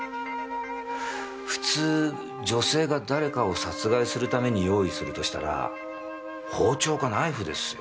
普通女性が誰かを殺害するために用意するとしたら包丁かナイフですよ。